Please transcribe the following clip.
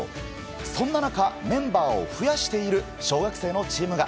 そんな中、メンバーを増やしている小学生のチームが。